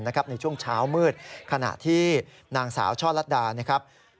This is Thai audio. ในช่วงเช้ามืดขณะที่นางสาวช่อลัดดานะครับ